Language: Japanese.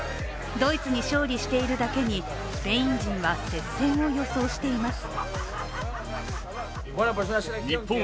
ドイツに勝利しているだけにスペイン人は接戦を予想しています。